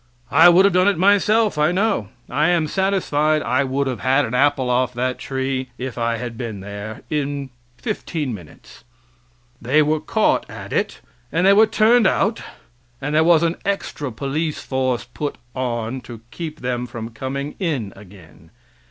I would have done it myself I know. I am satisfied I would have had an apple off that tree, if I had been there, in fifteen minutes. They were caught at it, and they were turned out, and there was an extra police force put on to keep them from coming in again.